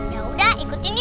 yaudah ikutin yuk